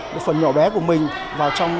một phần nhỏ bé của mình vào trong